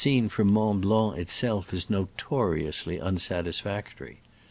That seen from Mont Blanc itself is notoriously unsatisfactory.